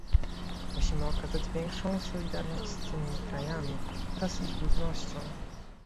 Musimy okazać większą solidarność z tymi krajami oraz ich ludnością